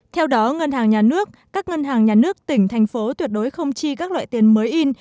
theo đó ngân hàng nhà nước các ngân hàng nhà nước tỉnh thành phố tuyệt đối không chi các loại tiền mới in